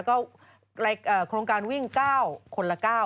ก็โครงการวิ่ง๙คนละ๙